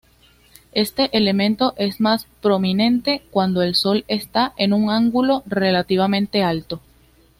Este elemento es más prominente cuando el Sol está en un ángulo relativamente alto.